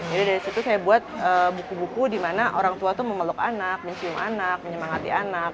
jadi dari situ saya buat buku buku di mana orang tua tuh memeluk anak mencium anak menyemangati anak